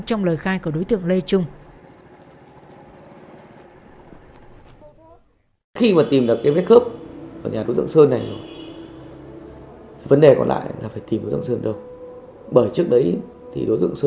trong lời khai của đối tượng lê trung